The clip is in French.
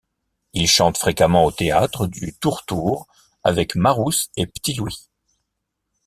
Il chante fréquemment au théâtre du Tourtour avec Marousse et P'tit Louis.